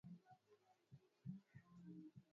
Viti zimepangwa sebuleni.